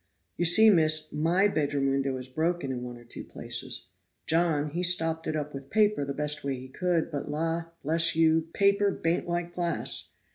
"You see, miss, my bedroom window is broken in one or two places. John, he stopped it up with paper the best way he could, but la, bless you, paper baint like glass.